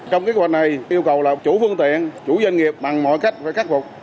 trong kế hoạch này yêu cầu là chủ phương tiện chủ doanh nghiệp bằng mọi cách phải khắc phục